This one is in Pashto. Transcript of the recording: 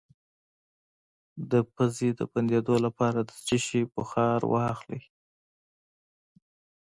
د پوزې د بندیدو لپاره د څه شي بخار واخلئ؟